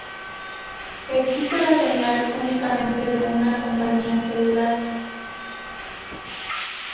Existe la señal únicamente de una compañía celular.